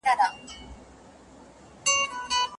تېر وخت د ژوند لپاره مهم دی.